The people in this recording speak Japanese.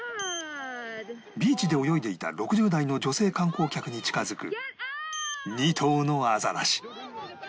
ビーチで泳いでいた６０代の女性観光客に近付く２頭のアザラシ